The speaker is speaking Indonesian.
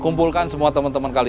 kumpulkan semua temen temen kalian